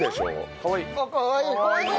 かわいい！